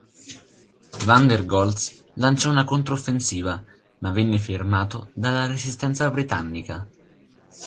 Van der Goltz lanciò una controffensiva ma venne fermato dalla resistenza britannica.